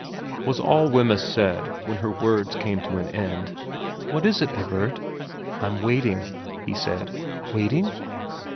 ' was all Wemyss said when her words came to an end. ' What is it, Everard ?'' I'm waiting,' he said. ' Waiting